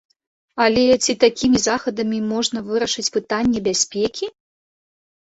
Але ці такімі захадамі можна вырашыць пытанне бяспекі?